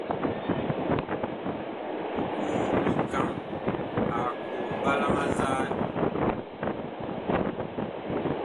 Nkoo-mikaŋ a koo mɓalaŋ a nzaan.